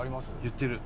言ってる。